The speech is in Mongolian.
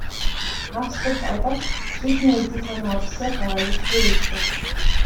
Австрид одоо ч фашизмын үзэл санаа оршсоор байгаа гэж тэр үздэг.